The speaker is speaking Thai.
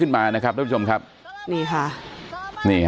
แล้วน้ำซัดมาอีกละรอกนึงนะฮะจนในจุดหลังคาที่เขาไปเกาะอยู่เนี่ย